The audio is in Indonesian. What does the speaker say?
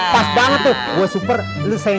pas banget tuh gua super lu senior